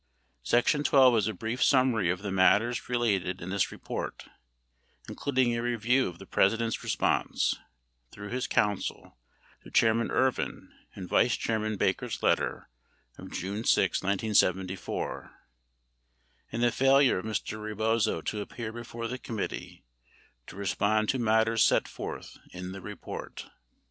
Section XII is a brief summary of the matters related in this report including a review of the President's response , through his counsel, to Chairman Ervin and Vice Chairman Baker's letter of June 6, 1974, and the failure of Mr. Rebozo to appear before the committee to re spond to matters set forth in the report.